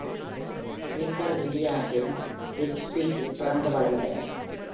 Hacker இல்லினாய்ஸின் லிட்ச்பீல்டில் பிறந்து வளர்ந்தவர்.